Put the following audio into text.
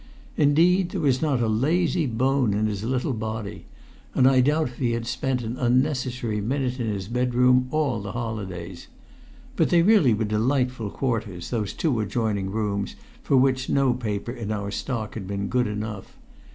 Indeed, there was not a lazy bone in his little body, and I doubt if he had spent an unnecessary minute in his bedroom all the holidays. But they really were delightful quarters, those two adjoining rooms for which no paper in our stock had been good enough.